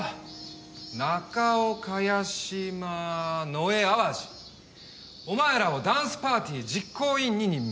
中央萱島野江淡路お前らをダンスパーティー実行委員に任命する。